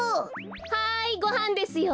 はいごはんですよ。